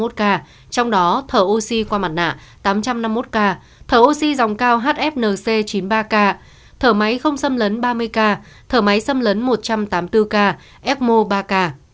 trong đó thở oxy qua mặt nạ tám trăm năm mươi một ca thở oxy dòng cao hfnc chín mươi ba k thở máy không xâm lấn ba mươi ca thở máy xâm lấn một trăm tám mươi bốn k efmo ba k